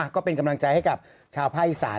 ก็เป็นกำลังใจให้กับชาวภาคอีสาน